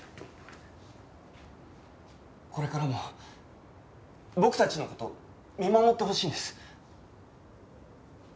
これからも僕たちの事見守ってほしいんです。